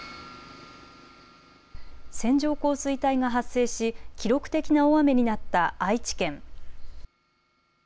線状降水帯が発生し記録的な大雨になった愛知県。